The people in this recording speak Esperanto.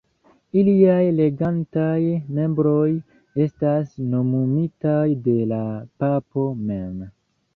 Iliaj regantaj membroj estas nomumitaj de la papo mem.